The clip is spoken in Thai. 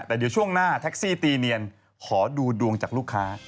แต่เดี๋ยวช่วงหน้าแท็กซี่ตีเนียนขอดูดวงจากลูกค้า